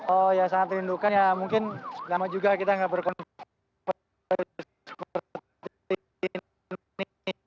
oh ya sangat rindukan ya mungkin lama juga kita nggak berkonten